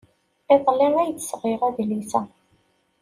Iḍelli ay d-sɣiɣ adlis-a.